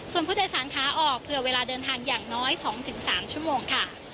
ส่วนผู้โดยสารขาออกเผื่อเวลาเดินทางอย่างน้อย๒๓ชั่วโมงค่ะ